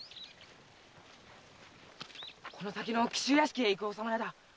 この先の紀州屋敷へ行くお侍だ。